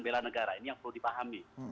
bela negara ini yang perlu dipahami